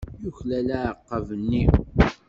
Yuklal aɛaqeb-nni.